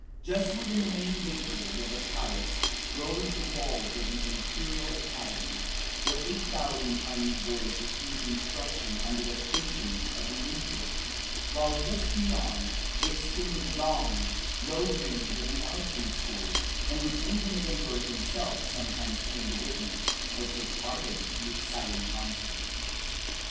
Just within the main gateway of the palace rose the walls of the Imperial Academy, where eight thousand Chinese boys received instruction under the patronage of the emperor, while, just beyond extended the long, low range of the archery school, in which even the emperor himself sometimes came to witness, or take part in, the exciting contests.